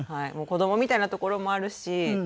子どもみたいなところもあるし